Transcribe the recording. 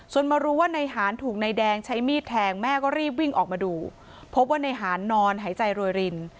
ส่วนมารู้ว่านายหานถูกนายแดงใช้มีดแทงแม่ก็รีบวิ่งออกมาดูพบว่าในหานนอนหายใจรวยริน